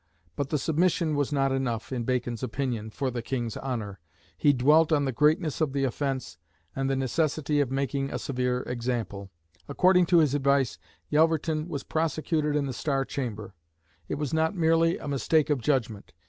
But the submission was not enough, in Bacon's opinion, "for the King's honour." He dwelt on the greatness of the offence, and the necessity of making a severe example. According to his advice, Yelverton was prosecuted in the Star Chamber. It was not merely a mistake of judgment.